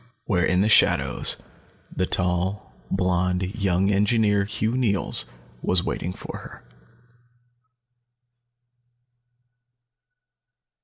Where in the shadows the tall, blonde young engineer, Hugh Neils, was waiting for her....